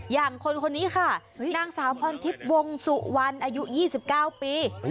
อย่างคนคนนี้ค่ะนางสาวพรทิพย์วงสุวรรณอายุ๒๙ปี